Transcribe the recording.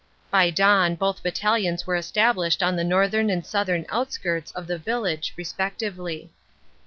By dawn both battalions were established on the northern and southern outskirts of the village respectively.